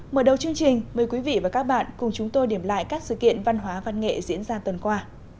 mở đầu chương trình mời quý vị và các bạn cùng chúng tôi điểm lại các sự kiện văn hóa văn nghệ diễn ra tuần qua